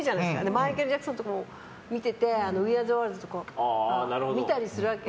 マイケル・ジャクソンとか見てて「ウィー・アー・ザ・ワールド」とか見たりするわけ。